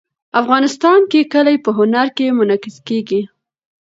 افغانستان کې کلي په هنر کې منعکس کېږي.